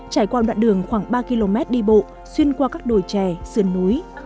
trải qua một đoạn đường khoảng ba km đi bộ xuyên qua các đồi trè sườn núi